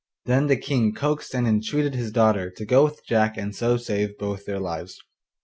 Then the King coaxed and entreated his daughter to go with Jack and so save both their lives.